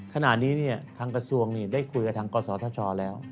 ขณะนี้ทางกระทรวงได้คุยกับทางกศธชแล้ว